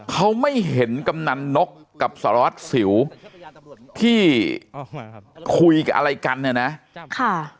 เขาไม่เห็นกำนันนกกับสารวัตรสิวที่คุยกับอะไรกันเนี่ยนะ